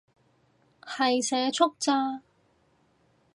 係社畜咋